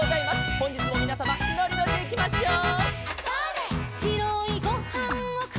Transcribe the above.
「ほんじつもみなさまのりのりでいきましょう」